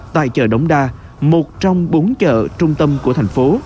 tại chợ đống đa một trong bốn chợ trung tâm của thành phố